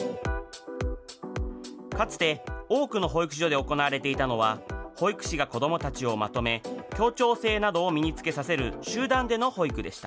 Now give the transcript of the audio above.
かつて多くの保育所で行われていたのは、保育士が子どもたちをまとめ、協調性などを身につけさせる集団での保育でした。